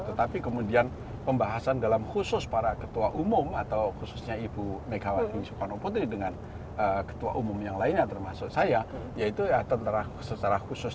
tetapi kemudian pembahasan dalam khusus para ketua umum atau khususnya ibu megawati soekarno putri dengan ketua umum yang lainnya termasuk saya yaitu tentara secara khusus